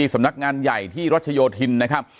สำนักงานใหญ่ที่รัชโยธินนะครับ